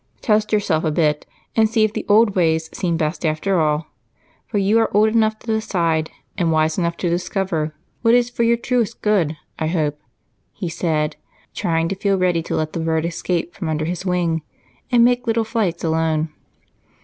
Test yourself a bit and see if the old ways seem best after all, for you are old enough to decide, and wise enough to discover, what is for your truest good, I hope," he said, trying to feel ready to let the bird escape from under his wing and make little flights alone.